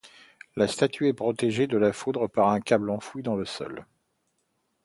La statue est protégée de la foudre par un câble enfoui dans le sol.